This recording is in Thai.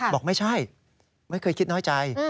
บอกไม่ใช่ไม่เคยคิดน้อยใจ